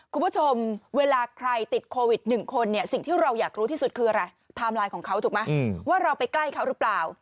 คุณผู้ชมเวลาใครติดโควิด๑คนเนี่ยสิ่งที่เราอยากรู้ที่สุดคืออะไรไทม์ไลน์ของเขาถูกไหมว่าเราไปใกล้เขาหรือเปล่า